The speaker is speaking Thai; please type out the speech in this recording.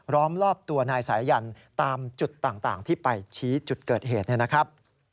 ้อมรอบตัวนายสายันตามจุดต่างที่ไปชี้จุดเกิดเหตุนะครับ